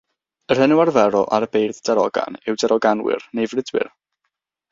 Yr enw arferol ar y beirdd darogan yw daroganwyr neu frudwyr.